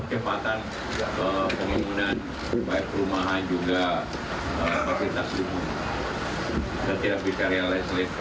dia juga wiele mengdemani baju acknowledgment ry dan kasus empat minggu